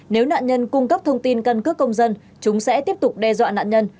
nếu nạn nhân cung cấp thông tin căn cước công dân chúng sẽ tiếp tục đe dọa nạn nhân